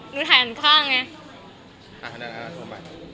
ดูทางข้างงี้